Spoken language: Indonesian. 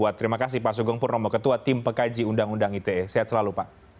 terima kasih mas rehat sehat selalu